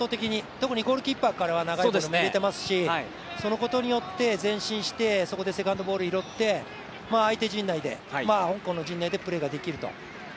特にゴールキーパーからは長いボール出ていますしそのことによって前進して、そこでセカンドボール拾って相手陣内で、香港の陣内でプレーができると。